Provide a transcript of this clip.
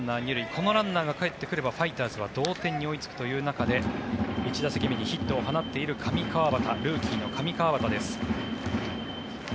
このランナーがかえってくればファイターズは同点に追いつくという場面で１打席目にヒットを入っているルーキーの上川畑です。